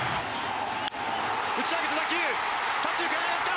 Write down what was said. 打ち上げた打球左中間へ上がった！